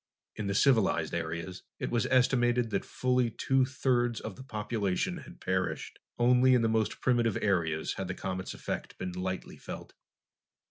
In the civilized areas, it was estimated that fully two thirds of the population had perished. Only in the most primitive areas had the comet's effect been lightly felt.